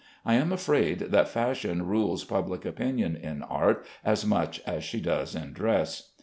I am afraid that fashion rules public opinion in art as much as she does in dress.